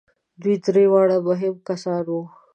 دوی درې واړه مهم کسان وو.